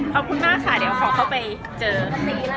ขอบคุณมากค่ะเดี๋ยวขอเข้าไปเจอ